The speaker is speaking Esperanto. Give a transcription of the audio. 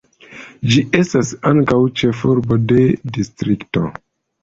Ĝi estas ankaŭ ĉefurbo de distrikto.